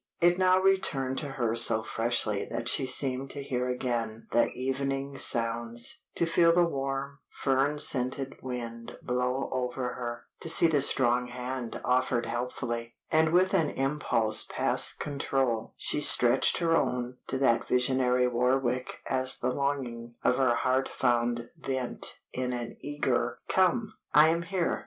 It now returned to her so freshly that she seemed to hear again the evening sounds, to feel the warm, fern scented wind blow over her, to see the strong hand offered helpfully, and with an impulse past control she stretched her own to that visionary Warwick as the longing of her heart found vent in an eager "Come!" "I am here."